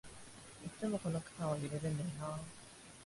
いっつもこの区間は揺れるんだよなあ